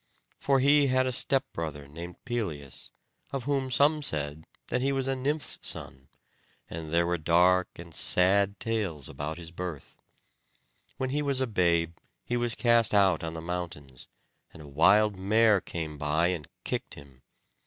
For he had a stepbrother named Pelias, of whom some said that he was a nymph's son, and there were dark and sad tales about his birth. When he was a babe he was cast out on the mountains, and a wild mare came by and kicked him.